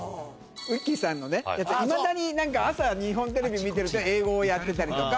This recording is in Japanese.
ウィッキーさんのやつはいまだに何か朝日本テレビ見てると英語をやってたりとか。